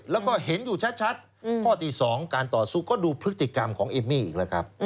แล้วก็เห็นอยู่ชัดข้อที่๒การต่อสู้ก็ดูพฤติกรรมของเอมมี่อีกแล้วครับ